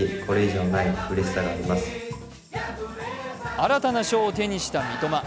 新たな賞を手にした三笘。